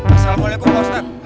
assalamualaikum pak ustadz